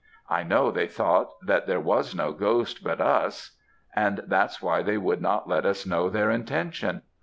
I know they thought that there was no ghost but us, and that's why they would not let us know their intention.